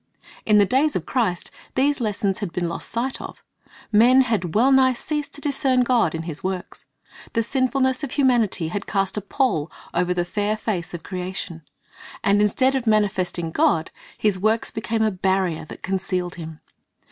. In the days of Christ these lessons had been lost sight of Men had well nigh ceased to discern God in His works. The sinfulness of humanity had cast a pall over the fair face of creation; and instead of manifesting God, His works became a barrier that concealed Him.